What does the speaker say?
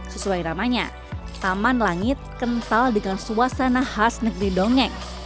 sesuai namanya taman langit kental dengan suasana khas negeri dongeng